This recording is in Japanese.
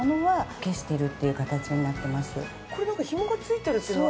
これなんかひもがついてるっていうのは？